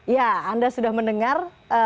ya anda sudah mendengar